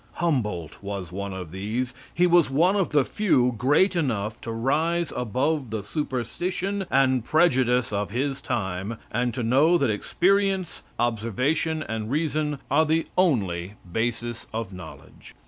Humboldt was one of these. He was one of the few great enough to rise above the superstition and prejudice of his time, and to know that experience, observation and reason are the only basis of knowledge.